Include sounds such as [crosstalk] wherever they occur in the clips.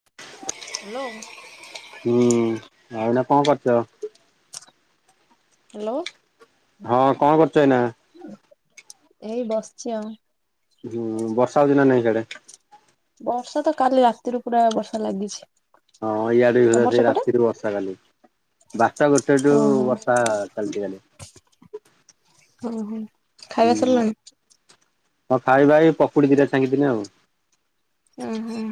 [unintelligible] Hello. ହୁଁ ଆଉ ଏଇନା କଣ କରୁଛ? ହାଲୋ। ହଁ କଣ କରୁଛ ଏଇନା? ଏଇ ବସିଛି ଆଉ ହୁଁ, ବର୍ଷା ଦିନ ନାଇଁ ସିଆଡେ? ବର୍ଷା ତ, କାଲି ରାତିରୁ ପୁରା ବର୍ଷା ଲାଗିଛି। ହଁ ଇଆଡେ ବି ତମର ସେଇ ସେପଟେ? ରାତିରୁ ବର୍ଷା କାଲି ବାରଟା ଗୋଟେ ଠୁ ବର୍ଷା ଚାଲିଛି ଇଆଡେ। ଓ ହୋ, ହୁଁ ଖାଇବା ସରିଗଲାଣି। ହଁ ଖାଇବା ଏଇ ପକୁଡି ଦିଟା ଛାଙ୍କିଥିଲି ଆଉ ହୁଁ ଉଁ ହୁଁ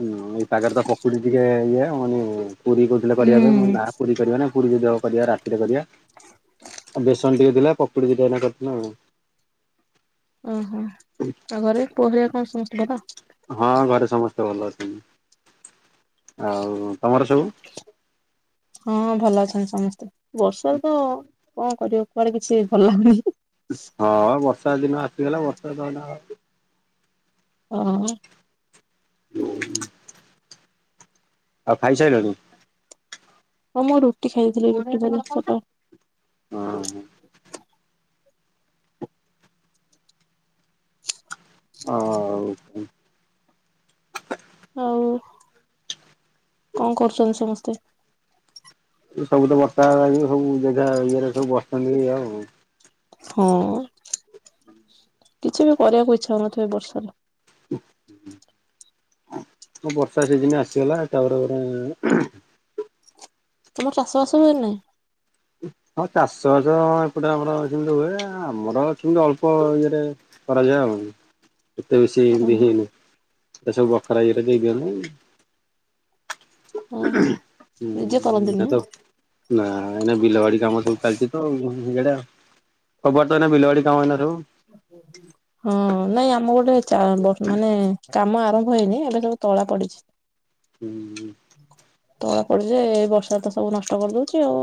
ହୁଁ ଏଇ ପାଗରେ ତ ପକୁଡି ଟିକେ ଇଏ, ମାନେ ପୁରି କହୁଥିଲେ କରିବା ପାଇଁ ହୁଁ ନା ପୁରି କରିବା ନାଇଁ। ପୁରୀ ଯଦି କରିବା ରାତିରେ କରିବା ଆଉ, ବେସନ ଟିକେ ଥିଲା ପକୁଡ଼ି ଦିଟା ଏଇନା କରିଥିଲ ଆଉ ଓହୋ, ଆଉ ଘରେ ପୁରୀରେ କଣ ସମସ୍ତେ [unintelligible] ହଁ ଘରେ ସମସ୍ତେ ଭଲ ଅଛନ୍ତି, ଆଉ ତମର ସବୁ? ହଁ ଭଲ ଅଛନ୍ତି, ସମସ୍ତେ ବର୍ଷା ତ କଣ କରିବ କୁଆଡେ? କିଛି ଭଲ ଲାଗୁନି? ହଁ ବର୍ଷା ଦିନ ଆସିଗଲା, ବର୍ଷା ଏଇନା ହଁ ଅଁ [unintelligible] ଆଉ ଖାଇସାଇଲଣି? ହଁ ମୁଁ ରୁଟି ଖାଇଥିଲି, ରୁଟି ଭଜା ସହିତ। ହଁ ଅଁ ଅ ଉ। ହଉ କଣ କରୁଛନ୍ତି ସମସ୍ତେ? ଏ ସବୁ ତ ବର୍ଷା ଇଏ ସବୁ ଜା ଇଏରେ ସବୁ ବସିଛନ୍ତି ଆଉଉ ହଁ କିଛି ବି କରିବାକୁ ଇଛା ହଉନଥିବ, ବର୍ଷାରେ? ବର୍ଷା ସିଜିନ ଆସିଗଲା, ତାପରେ ପ ତୁମର ଚାଷବାସ ହୁଏନା ନାହିଁ? ହଁ ଚାଷବାଷ ହଁ ଏପଟେ ଆମର ସେମିତି ହୁଏ ଏ ଆମର ଏଠି ଅଳ୍ପ ଇଏରେ। କରାଯାଏ ଆଉ ଏତେ ବେଶି ଏମିତି ଓହୋ ହେଇନି ଏ ସବୁ ବଖରା ଇଏରେ ଦେଇଦିଅନ୍ତି। ଓହୋ ହୁଁ ନିଜେ ଏଟା କରନ୍ତିନି? ତ। ନା ଏଇନା ବିଲବାଡି କାମ ସବୁ ଚାଲିଛି ତ ଉଁ ଇଆଡେ। ଖବର ତ ଏଇନା ବିଲବାଡ଼ି କାମ ଏଇନା ସବୁ। ହଁ ପଗୁଡ଼ି। ହଁ ନାଇଁ ଆମ ପଟେ ଚା ବ ମାନେ କାମ ଆରମ୍ଭ ହେଇନି ଏବେ ସବୁ ତଳା ପଡିଛି। ହୁଁ। ତଳା ପଡୁ ଯେ ଏ ବର୍ଷା ତ ସବୁ ନଷ୍ଟ କରିଦଉଛି ଆଉ।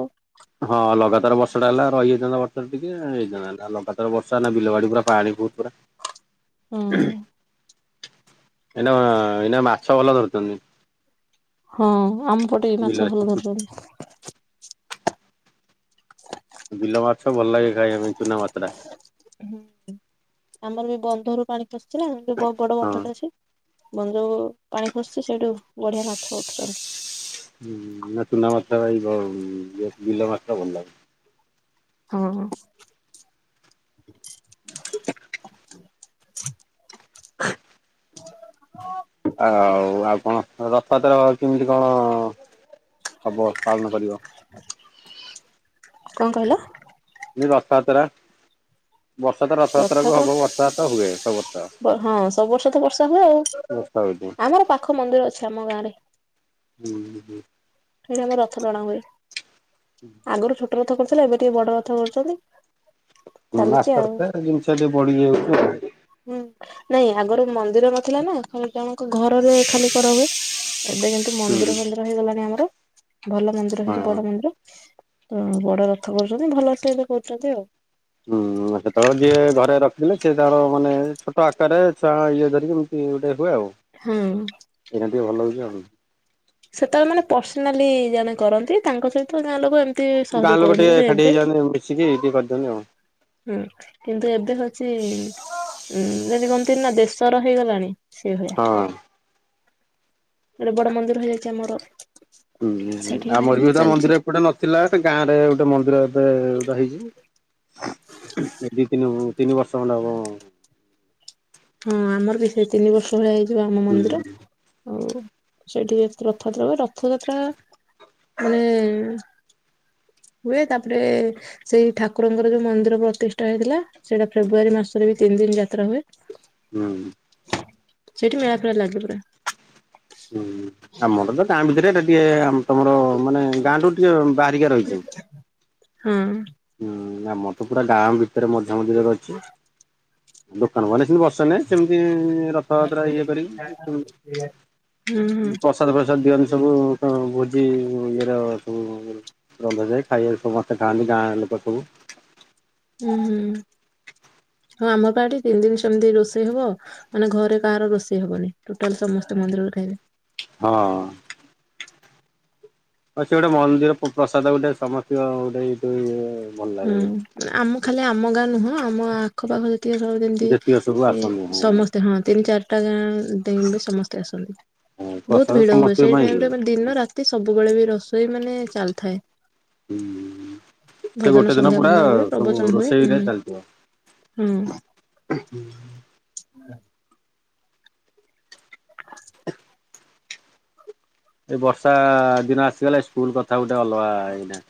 ହଁ ଲଗାତାର ବର୍ଷାଟା ହେଲା ରହିଯାଇଥାନ୍ତା ବର୍ତ୍ତମାନ ଟିକେ ହେଇଥାନ୍ତା ନା ଲଗାତାର ବର୍ଷା ନାଗିଲେ ବିଲବାଡି ପୁରା ପାଣି। ବହୁତ୍ ପୁରା। ହ। ଏଇନା ଏଇନା ମାଛ ଭଲ ଧରୁଛନ୍ତି। ହଁ ଆମ ପଟେ ବି ମାଛ ବିଲରେ। ଭଲ ଧରୁଛନ୍ତି। ବିଲ ମାଛ ଭଲ ଲାଗେ ଖାଇବା ପାଇଁ ଚୁନା ମାଛଟା। ହୁଁ ଆମର ବି ବନ୍ଧରୁ ପାଣି ଖସିଛି ନା [unintelligible] ବହୁତ୍ ବଡ ହଁ। ବନ୍ଧ ଟେ ଅଛି। ବନ୍ଧ ପାଣି ଖସୁଛି ସେଇଠୁ ବଢିଆ ମାଛ ଉଠୁଛନ୍ତି। ହୁଁ ନା ଚୁନା ମାଛ ଭାରି ବ ଉଁ ଇଏ ବିଲ ମାଛଟା ଭଲ ଲାଗେ। ହଁ ହଁ। [unintelligible] ହ। ହ ହ। ଆଉ ଆଉ କଣ ଅ ରଥଯାତ୍ରା କେମିତି କଣ? ହବ ପାଳନ କରିବ। କଣ କହିଲ? [unintelligible] ରଥଯାତ୍ରା। ବର୍ଷା ତ ରଥଯାତ୍ରାକୁ ରଥଯାତ୍ରା ହବ ବର୍ଷା ତ ହୁଏ ସବୁ ବର୍ଷ। ବ ହଁ ସବୁ ବର୍ଷ ତ ବର୍ଷା ହୁଏ ଆଉ। ବର୍ଷା ହଉଚି। ଆମର ପାଖ ମନ୍ଦିର ଅଛି ଆମ ଗାଁ ରେ। ହୁଁ ହୁଁ‌। ଠେଇ ଆମ ରଥ ଟଣା ହୁଏ। ଆଗରୁ ଛୋଟ ରଥ କରୁଥିଲେ ଏବେ ଟିକେ ବଡ ରଥ କରୁଛନ୍ତି। ହୁଁ ଚାଲିଛି ଆସ୍ତେ ଆଉ। ଆସ୍ତେ ଜିନିଷ ଟେ ବଢି ଯାଉଛି ଆଉ। ହୁଁ ନାଇଁ ଆଗରୁ ମନ୍ଦିର ନଥିଲା ନା। [unintelligible] ଜଣଙ୍କ ଘରରେ ଖାଲି କରା ହୁଏ ଏବେ କିନ୍ତୁ ହୁଁ ହୁଁ ମନ୍ଦିର ଫନ୍ଦିର ହେଇଗଲାଣି ଆମର। ଭଲ ମନ୍ଦିର ହେଇଛି ହଁ। ବଡ ମନ୍ଦିର ତ ବଡ ରଥ କରୁଛନ୍ତି ଭଲ ର ସହିତ କରୁଛନ୍ତି ଆଉ। ହୁଁ ଯେତେବେଳେ ଯିଏ ଘରେ ରଖିଥିଲେ ସିଏ ତାର ମାନେ ଛୋଟ ଆକାରେ ଛୁଆ ଇଏ ଧରିକି ଏମିତି ଗୋଟେ ହୁଏ ଆଉ। ହଁ। ଏଇନା ଟିକେ ଭଲ ହଉଛି ଆଉ। ସେତେବେଳେ ମାନେ ପର୍ସନାଲି ଜଣେ କରନ୍ତି ତାଙ୍କ ସହିତ ଗାଁ ଲୋକ ଏମ ଗାଁ ଲୋକ ଟିକେ ଏକାଠି ହେଇଯାଆନ୍ତି ମିଶିକି ଟିକେ କରିଦଅନ୍ତି ଆଉ। ହୁଁ କିନ୍ତୁ ଏବେ ହଉଛି ଉଁ ଯେମିତି କୁହନ୍ତି ନା ଦେଶ ର ହେଇଗଲାଣି। ସେଭଳିଆ ହଁ ଗୋଟେ ବଡ ମନ୍ଦିର ହେଇଯାଇଛି ଆମର। ହୁଁ ହୁଁ ସେଇଠି ଏବେ ଆମରି [unintelligible] ଚାଲିଛି ମନ୍ଦିର ଏପଟେ ନଥିଲା ସେ ଗାଁ ରେ ଗୋଟେ ମନ୍ଦିର ଏବେ ବା ହେଇଛି। ଏ ଦି ତିନି ତିନି ବର୍ଷ ଖଣ୍ଡେ ହବ। ହଁ ଆମର ବି ସେ ତିନି ବର୍ଷ ଭଳିଆ ହେଇଯିବ ଆମ ମନ୍ଦିର। ଆଉ ସେଇଠି ହୁଏ ରଥଯାତ୍ରା ହୁଏ ରଥଯାତ୍ରା। ମାନେ ହୁଏ ତାପରେ। ସେଇ ଠାକୁରଙ୍କର ଯୋଉ ମନ୍ଦିର ପ୍ରତିଷ୍ଠା ହେଇଥିଲା ସେଇଟା ଫେବୃଆାରୀ ମାସରେ ବି ତିନି ଦିନ ଯାତ୍ରା ହୁଏ। ହୁଁ। ସେଇଠି ମେଳା ଫେଳା ଲାଗେ ପୁରା। ହୁଁ ଆମର ତ ଗାଁ ଭିତରେ ଏଟା ଟିକେ ତମର ମାନେ ଗାଁଠୁ ଟିକେ ବାହାରିକା ରହିଛି। ହଁ। ହୁଁ ଆମର ତ ପୁରା ଗାଁ ଭିତରେ ମଝା ମଝିରେ ରହିଁଛି। ଦୋକାନ ବାଡ଼ି ସେମିତି ବସେ ନେଇ ସେମିତି ରଥଯାତ୍ରା ଇଏ କରିକି ହୁଁ ହୁଁ ପ୍ରସାଦ ପ୍ରସାଦ ଦିଅନ୍ତି ସବୁ ତ ଭୋଜି ଇଏର ସବୁ ରନ୍ଧାଯାଏ ଖାଇବାକୁ ସମସ୍ତେ ଖାଆନ୍ତି ଗାଁ ଲୋକ ସବୁ। ହୁଁ ହୁଁ ହଁ ଆମ ପା ଏଠି ତିନି ଦିନ ସେମିତି ରୋଷେଇ ହବ। ମାନେ ଘରେ କାହାର ରୋଷେଇ ହବନି ଟୋଟାଲ ସମସ୍ତେ ମନ୍ଦିରରେ ଖାଇବେ। ହଁ। ଅଛି ଗୋଟେ ମନ୍ଦିର ପ ପ୍ରସାଦ ଗୋଟେ ସମସ୍ତୀଙ୍କ ଗୋଟେ ଇଏ ଭଲ ଲାଗେ ଗୋଟେ। ହୁଁ ଆମ ଖାଲି ଆମ ଗାଁ ନୁହଁ ଆମ ଆଖପାଖ ଯେ ଟଏ ସବୁ ଯେତିକ ସବୁ ଯେମିତି ଆସନ୍ତି ହଁ ସମସ୍ତେ ହଁ ତିନି ଚାରିଟା ଗାଁ ବି ସମସ୍ତେ ଆସନ୍ତି ହଁ ବହୁତ ପ୍ରସାଦ ଭିଡ ହୁଏ। ସମସ୍ତଙ୍କ ସେଇ ପାଇଁ ଟାଇମ ହୁଏ। ରେ ମାନେ ଦିନ ରାତି ସବୁବେଳେ ବି ରସେଇ ମାନେ ଚାଲିଥାଏ। ହୁଁ ସେ ଭଜନ ଗୋଟେ ଦିନ ସନ୍ଧ୍ୟା ପୁରା ଫନ୍ଧ୍ୟା ହୁଏ ସବୁ ରୋଷେଇରେ ଚାଲିଯିବ। ହଁ। ଏ ବର୍ଷା ଦିନ ଆସିଗଲେ ସ୍କୁଲ କଥା ଗୋଟେ ଅଲଗା ହେଇନା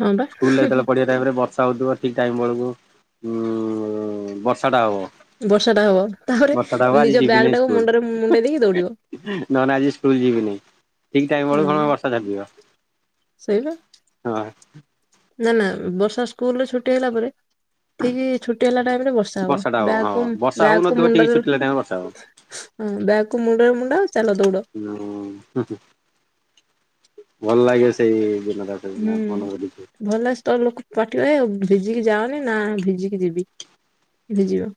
ହଁ ବା ସ୍କୁଲରେ ଯେତେବେଳେ ପାଢିଆ ଟାଇମ ରେ ବର୍ଷା ହଉଥିବ ଠିକ ଟାଇମ ବେଳକୁ ଉ ବର୍ଷା ଟା ହବ ବର୍ଷା ଟା ହବ ତାପରେ ବର୍ଷାଟା ହବ ଆଜି ନିଜ ବ୍ୟାଗ ଟାକୁ ମୁଣ୍ଡରେ ମୁଣ୍ଡେଇ ଦେଇକି ଦୌଡିବ। ନହେନେ ଆଜି ସ୍କୁଲ ଯିବିନି ଠିକ ଟାଇମ ହଁ ବେଳକୁ କଣ ବର୍ଷା ଛାଡ଼ିଯିବ। ସେଇବା ହଁ। ନା ନା ବର୍ଷା ସ୍କୁଲ ରେ ଛୁଟି ହେଲା ପରେ ଠିକ ଛୁଟି ହେଲା ଟାଇମରେ ବ ର୍ଶା ହବ। ବର୍ଷାଟା ବ୍ୟାଗ୍ ହଁ କୁ ବର୍ଷା ବ୍ୟାଗ୍ କୁ ହଉନଥିବ ଠିକ ମୁଣ୍ଡରେ ଛୁଟିଲା ଟାଇମ ବର୍ଷା ହଁ ବ୍ୟାଗକୁ ମୁଣ୍ଡରେ ମୁଣ୍ଡ ଚାଲ ଦୌଡ ହଁ ଭଲ ଲାଗେ ସେଇ ଦିନରା। ହୁଁ ଭଲସେ ତ ଲୋକ ପାଟି କରିବେ ନା ଭିଜିକି ଯାଅନି ନା ଭିଜିକି ଯିବି। ହେବେ ଯିବା।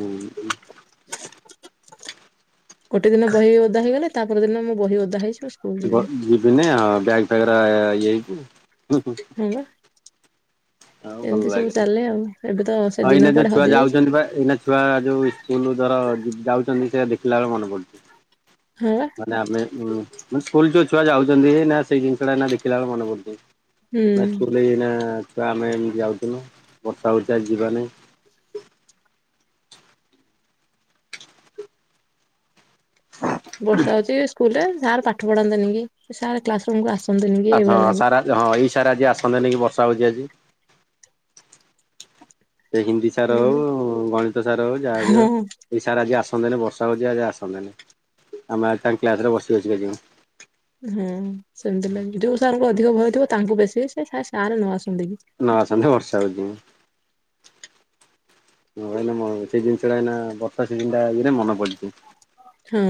ହୁଁ [unintelligible] ଗୋଟେ ଦିନ ବହି ଓଦା ହେଇଗଲେ ତାପର ଦିନ ମୋ ବହି ଓଦା ହେଇଛି ସ୍କୁଲ ବ ଯିବିନି ଯିବି ନାଇ ବ୍ୟାଗ ଫ୍ୟାଗ୍ ରା ଇଏ ହେଇଚି ହୁ ହୁ। ହଁ ବା ଏମିତି ସବୁ ଲାଗେ। ଚାଲେ ଆଉ। ଏବେ ତ ସେ ହଁ ଦିନ ଏଇନା ଯୋଉ କୁଆଡେ ଛୁଆ ହଜି ଯାଇଛି ଯାଉଛନ୍ତି ବା ଏଇନା ଛୁଆ ଯୋଉ ସ୍କୁଲ ଧର ଯାଉଛନ୍ତି ସେରା ଦେଖିଲା ବେଳକୁ ମନେ ପଡୁଛି। ହଁ ବା। ମାନେ ଆମେ ସ୍କୁଲ ଯୋଉ ଛୁଆ ଯାଉଛନ୍ତି ନା ସେଇ ଜିନିଷ ଟା ଦେଖିଲାବେଳକୁ ମନେ ପଡୁଛି। ନା ହୁଁ ସ୍କୁଲରେ ଏଇନା ଛୁଆ ଆମେ ଏମିତି ଯାଉଥିଲୁ। ବର୍ଷା ହୋଉଛି ଯିବାନାଇ। ବର୍ଷା ହଉଛି ସ୍କୁଲ ରେ ସାର୍ ପାଠ ପଢାନ୍ତେନି କି ସାର୍ କ୍ଲାସ ରୁମକୁୁ ଆସନ୍ତେନି କି ଏଇଭଳିଆ ହଁ ଲାଗେ। ସାରା ହଁ ଏଇ ସାର ଆଜି ଆସନ୍ତେନିକି ବର୍ଷା ହେଉଛି ଆଜି ସେ ହିନ୍ଦୀ ସାର ହଉ ଗଣିତ ସାର ହଉ ଯାହା ବି ହଉ ହଁ ଏଇ ସାର୍ ଆଜି ଆସନ୍ତେନି ବର୍ଷା ହେଉଛି ଆଜି ଆସନ୍ତେନି ଆମେ ତାଙ୍କ କ୍ଲାସ୍ରରେ ବସି ବସିକା ଯିବୁ। ହଁ ସେମତି ଲାଗେ ଯୋଉ ସାର୍ ଙ୍କୁ ଅଧିକ ଭୟ ଥିବ ତାଙ୍କୁ ବେଶୀ ସେ ସାର୍ ନ ଆସନ୍ତେ କି। ନ ଆସନ୍ତେ ବର୍ଷା ହୋଉଛି। ହଁ ଏଇନେ ମ ସେଇ ଜିନିଷଟା ଏନା ବର୍ଷା ସିିଜିନଟା ଇଏରେ ମନ ପଡିଛି। ହଁ।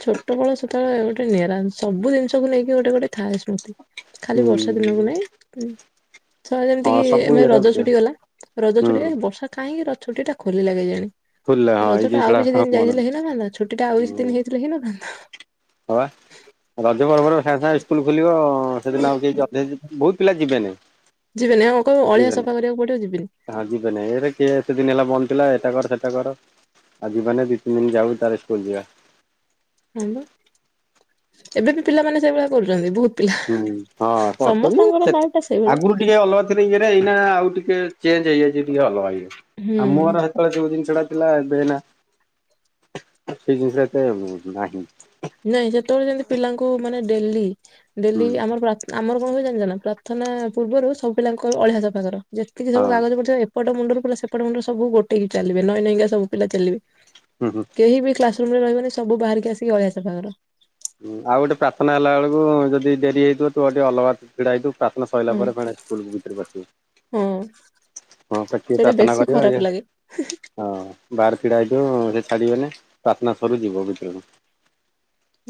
ଛୋଟବେଳ ସେତେବେଳେ ଗୋଟେ ନିଆରା ସବୁ ଜିନିଷକୁ ନେଇକି ଗୋଟେ ଗୋଟେ ଥାଏ ସ୍ମୃତି। ଖାଲି ହୁଁ ବର୍ଷା ଦିନକୁ ନାଇଁ ଥ ଯେମିତି ହଁ କିି ସବୁ ମେ ଇଏର ରଜ ଛୁଟି ହୁଁ ଗଲା ରଜ ଛୁଟି ବର୍ଷା କାହିଁକି ର ଛୁଟ ଟା ଖୋଲିଲି କେଜାଣି ଖୋଲିଲା ହଁ ରଜ ଏଇ ଟା ଆଉ କିଛି ଜିନିଷଟା ଦିନ ମନରେ ଯାଇଥିଲେ ହୋଇନଥାନ୍ତା ଛୁଟିଟା ଆଉ କିଛି ଲେହିନଥାନ୍ତା। ହଁବା ରଜ ପର୍ବରେ ସାଙ୍ଗେ ସାଙ୍ଗେ ଇସ୍କୁଲ ଖୋଲିବ ଆଉ। ହଁ ସେଦିନ ଆଉ କେହି ଅ ବହୁତ ପିଲା ଯିବେନି ଯିବେନି ଆଉ କୁ ଅଳିଆ ଯିବେନି ସଫା କରିବାକୁ ପଡ଼ିବ ଯିବିନି। ହଁ ଯିବେନାଇଁ ଏରେ କିଏ ଏତେ ଦିନ ହେଲା ବନ୍ଦ ଥିଲା ଏଟା କର ସେଟା କର ଆଉ ଜୀବନୀ ଦି ତିନିି ଦିନ ଯାଉ ତାର ସ୍କୁଲ ଯିବା। ହଁ ବା ଏବେ ବି ପିଲାମାନେ ସେଇଭଳିଆ କରୁଛନ୍ତି ବହୁତୁ ହୁଁ ହଁ କରୁଛନ୍ତି ସେ ଲାଇଫ ଟା ସେଇଭଳିଆ ଆଗରୁ ଟିକେ ଅଲଗା ଥୀରେ ଇଏରେ ଏଇନା ଆଉ ଟିକେ ଚେଞ୍ଜ ହେଇଯାଇଛି ଟିକେ ଅଲଗା ହେଇଯାଇଛି ହୁଁ। ଆଉ ମୋର ହେ ସେତେବେଳେ ଯୋଉ ଜିନିଷଟା ଥିଲା ଏବେ ଏହିନା ସେଇ ଜିନିଷଟା ଏତେ ନାହିଁ। ନାଇଁ ସେତେବେଳେ ଯେମିତି ପିଲାଙ୍କୁ ମାନେ ଡେଲି ହୁଁ ଡେଲି ଆମର ପ୍ରା ଆମର କଣ ହୁଏ ଜାଣିଛ ନା ପ୍ରାର୍ଥନା ପୂର୍ବରୁ ସବୁ ପିଲାଙ୍କୁ ଅଳିଆ ସଫାକର ଯେତିକି ହଁ ସବୁ କାଗଜ ପଡ଼ିଥିବ ଏପଟ ମୁଣ୍ଡର ପିଲା ସେପଟ ମୁଣ୍ଡରେ ସବୁ ଗୋଟେଈକି ଚାଲିବେ ନଇ ନଇ କା ସବୁିପିଲା ଚାଲିବେ। ହୁଁ ହୁଁ। କେହି ବି କ୍ଲାସରୁମରେ ରହିବନି ସବୁ ବାହାରିକି ଆସିକି ଅଳିଆ ସଫା କର। ହୁଁ ଆଉ ଗୋଟେ ପ୍ରାର୍ଥନା ହେଲା ବେଳକୁ ଯଦି ଡେରି ହେଇଥିବ ତୁ ଟିକେ ଅଲଗା ଛିଡ଼ାହେଇଥିବ ପ୍ରାର୍ଥନା ସରିଲା ପରେ ଫେଣେ ସ୍କୁଲ ଭିତରକୁ ଆଶିବୁ। ହୁଁ। ହଁ ପେଟି ପ୍ରାର୍ଥନା କରିବା ଇଏ ହଁ ବାହାରେ ଛିଡା ହେଇଥିବ ସେ ଛାଡିବେନି ପ୍ରାର୍ଥନା ସରୁ ଯିବ ଭିତରକୁ।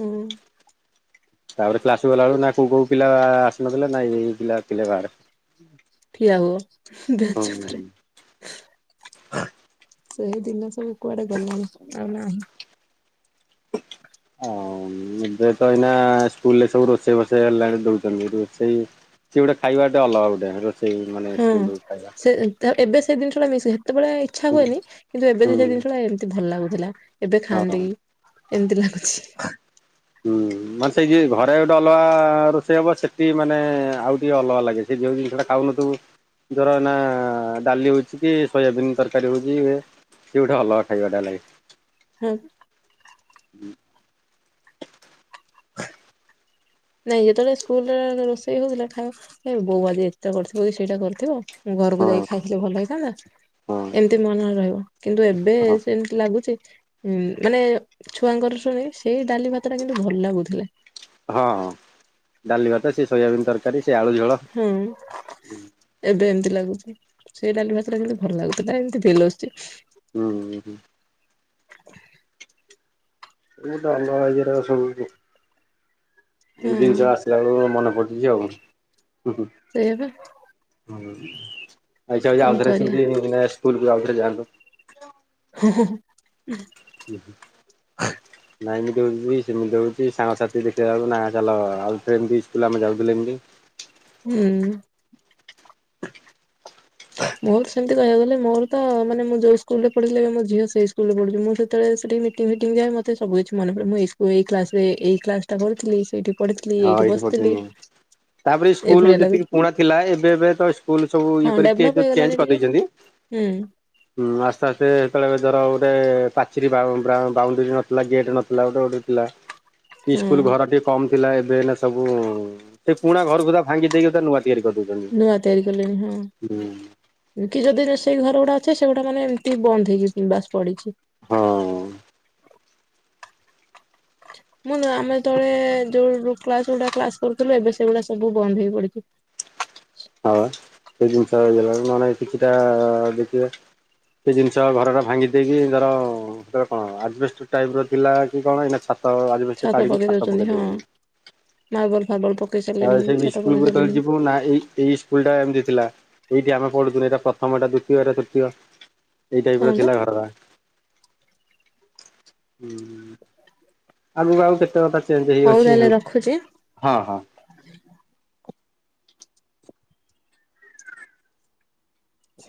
ହୁଁ। ତାପରେ କ୍ଲାସ କୁ ଗଲାବେଳକୁ ନା କୋଉ କୋଉ ପିଲା ଆସିନଥିଲେ ନା ଏଇ ଏଇ ପିଲା ଥିଲେ ବାହାରେ। ଠିଆ ହୁଅ ବେଞ୍ଚ ଉପରେ। ହଁ ସେଇ ଦିନ ସବୁ କୁଆଡେ ଗଲାଣି ଆଉ ନାହିଁ। ହ ଏବେ ତ ଏଇନା ସ୍କୁଲରେ ସବୁ ରୋଷେଇ ଫୋ ସେ ହେଲାଣି ଦଉଛନ୍ତି ରୋଷେଇ ସିଏ ଗୋଟେ ଖାଇବାଟେ ଅଲଗା ଗୋଟେ ରୋଷେଇ ମାନେ ହଁ ସ୍କୁଲ ଖାଇବା ସେ ଏବେ ସେଇ ଜିନିଷଟା ମିଶ ସେତେବେଳେ ଇଚ୍ଛା ହୁଁ ହୁଏନି। କିନ୍ତୁ ଏବେ ହୁଁ। ସେ ଜିନିଷଟା ଏମିତି ଭଲ ଲାଗୁଥିଲା। ଏବେ ହଁ ଖାଆନ୍ତି କି ଏମିତି ଲାଗୁଛି। ହୁଁ। ମାନେ ସେଇ ଯେ ଘରେ ଗୋଟେ ଅଲଗା ରୋଷେଇ ହବ ସେଠି ମାନେ ଆଉ ଟିକେ ଅଲଗା ଲାଗେ ସେ ଯୋଉ ଜିନିଷଟା ଖାଉନଥିବୁ ଧର ନା ଡାଲି ହଉଛି କି ସୋୟାବିିନ ତରକାରୀ ହଉଛି ଇଏ ସେ ଗୋଟେ ଅଲଗା ଖାଇବାଟା ଲାଗେ। ହଁ। ହୁଁ। ନାଇଁ ଯେତେବେଳେ ସ୍କୁଲରେ ରୋଷେଇ ହଉଥିଲା ଖାଇ ବୋଉ ଆଜି ଏତେ କରିଥିବ କି ସେଇଟା କରିଥିବ ମୁଁ ଘରକୁ ହଁ ଯାଇକି ଖାଇଥିଲେ ଭଲ ହେଇଥାନ୍ତା ହଁ ଏମିତି ମନରେ ରହିବ କିନ୍ତୁ ଏବେ ହଁ ସେ ଲାଗୁଛି ମାନେ ଛୁଆଙ୍କର ଶୁଣି ସେଇ ଡାଲି ଭାତ ଟା କିନ୍ତୁ ଭଲ ଲାଗୁଥିଲା। ହଁ ହଁ ଡାଲି ଭାତ ସେ ସୋୟାବିିନ ତରକାରୀ ସେ ଆଳୁ ଝୋଳ ହୁଁ। ଏବେ ଏମିତି ଲାଗୁଛି ସେଇ ଡାଲି ଭାତଟା କିନ୍ତୁ ଭଲ ଲାଗୁଥିଲା ଏମିତି ଫିଲ ଆସୁଛି। ହୁଁ ହୁଁ। ସ ଡ ସବୁ ହଁ ଏଇ ଜିନିଷ ଆସ [unintelligible] ପିଲାବେଳୁ ମନେ ପଡୁଛି ଆଉ ହୁଁ ହୁଁ। ସେଇଆ ବା ହୁଁ ଇଚ୍ଛା ହଉଛି କଣ ଆଉଥରେ କରିବା ସେମିତି ମାନେ ସ୍କୁଲକୁ ଆଉଥରେ ଯାଆନ୍ତୁ। ହଁ ାହଁା ହଁ ା। ନାଇଁ ଏମିତି ହୋଉଚି ସେମିତ ସାଙ୍ଗସା ଠିକ ଦେଖିଲାବେଳକୁ ନା ଚାଲ ଆଉଥିଲେ ଏମ୍ ତି ସ୍କୁଲ ଆମେ ଯାଉଥିଲେ ଏମିତି ହୁଁ। ମୋର ସେମିତି କହିବାକୁ ଗଲେ ମୋର ତ ମାନେ ମୁଁ ଯୋଉ ସ୍କୁଲ ରେ ପଢିଥିଲି ମୋ ଝିଅ ସେଇ ସ୍କୁଲ ରେ ପଢୁଚି ମୁଁ ସେତେବେଳେ ସେଠି ମି ମିଟିଂ ଫିଟିଂ ଯାଏ ମତେ ସବୁ କିଛି ମନେପଡେ ମୁଁ ଏଇ ସ୍କୁ ଏଇ କ୍ଲାସରେ ଏଇ କ୍ଲାସ୍ ଟା କରିଥିଲି ସେଇଠି ପଢିଥିଲି ହଁ ଏଇଠି ଏଇଟି ବସିଥିଲି ପଠେଇନି। ତାପରେ ସ୍କୁଲ ଏଇଭଳିଆ ଲାଗୁ ଯେତିକି ପୁରୁଣା ଥିଲା ଏବେ ଏବେ ତ ସ୍କୁଲ୍ ସବୁ ଇଏ ହଁ କରି ଏ ଡେଭଲପ ଯୋଉ ହେଇଗଲାଣି ଚେଞ୍ଜ୍ ଟିକେ କରିଦେଇଚନ୍ତି ହୁଁ ହୁଁ ଆସ୍ତେ ଆସ୍ତେ ସେତେବେଳେ ଧର ଗୋଟେ ପାଚିରି ବା ବ୍ରା ବାଉଣ୍ଡରୀ ନଥିଲା ଗେଟ୍ ନଥିଲା ଗୋଟେ ଗୋଟେ ଥିଲା। ଇ ହଁ ସ୍କୁଲ୍ ଘର ଟିକେ କମ୍ ଥିଲା ଏବେ ହେନେ ସବୁ ସେ ପୁଣା ଘର ସୁଧା ତା ଭାଙ୍ଗି ଦେଇକ ନୂଆ ତିଆରି କରିଦୋଉଚ ନୂଆ ତିଆରି କଲେଣି ହଁ। କି ଯଦି ସେଇ ଘର ଗୁଡା ଅେ ସେଗୁଡା ମାନେ ଏମିତି ବନ୍ଦ ହେଇକି ବାସ୍ ପଡିଚି। ହଁ। ମୁଁ ନୁଆ ଆମେ ଯେତଳେ ଯୋଉ କ୍ଲାସ୍ ଗୁଡା କ୍ଲାସ କରୁଥିଲୁ ଏବେ ସେଗୁଡା ସବୁ ବନ୍ଦ୍ ହେଇ ପଡିଚି। ହୋଉ ଆଁ ସେ ଜିନ୍ଷଲା ହେଇଗଲା ଏଳକୁ ନହଲେ କିଛିଟା ଦେଖିବା। ସେ ଜିନ୍ଷ ଘରରା ଭାଙ୍ଗି ଦେଇେଇକି ଧର ସେତବେଳେ କଣ ଆଷ୍ଟ ଟାଇପ ର ଥିଲା କି କଣ ଏଇନା ଛାତ ଆଜବେଷ୍ଟେ କାଢ଼ିକି ଛାତ ପକେଇ ଦୋଉଚନ୍ତି। ମାର୍ବଲ ଫାର୍ବଲ ପ ତା ସେଇ ନି ଇସ୍କୁଲ୍ କୁ ଯେତଳେ ଯିବ ନା ଏଇ ଏଇ ଇସ୍କୁଲ୍ ଟା ଏମିତି ଥିଲା ଏଇଠି ଆମେ ପଢୁଥୁନୁ ଏଇଟା ପ୍ରଥମଟା ଏଇଟା ଦ୍ୱିତୀୟ ଏଇଟା ତୃତୀୟ ଏଇ ଟାଇପ୍ ହଁ ର ବା ଥିଲା ଘରରା। ହୁଁ ଆଗୁକୁ ଆଉ କେତେ କଥା ଚେଞ୍ଜ୍ ହଉ ହେଇଯାଉଛି ତାହେଲେ ହେଉ ରଖୁଛି। ହଁ ହଁ। ହ